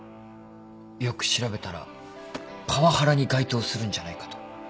よく調べたらパワハラに該当するんじゃないかと。